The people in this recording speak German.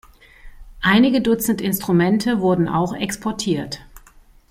Einige Dutzend Instrumente wurden auch exportiert.